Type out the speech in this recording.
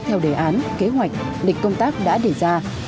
theo đề án kế hoạch lịch công tác đã đề ra